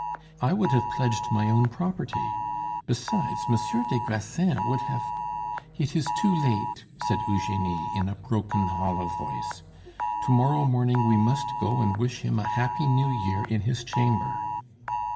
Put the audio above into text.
"I would have pledged my own property. Besides, Monsieur des Grassins would have " "It is too late," said Eugenie in a broken, hollow voice. "To morrow morning we must go and wish him a happy New Year in his chamber."